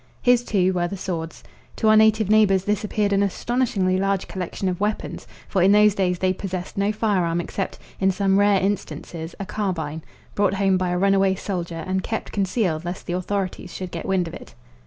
His, too, were the swords. To our native neighbours this appeared an astonishingly large collection of weapons, for in those days they possessed no fire arm except, in some rare instances, a carbine, brought home by a runaway soldier and kept concealed lest the authorities should get wind of it.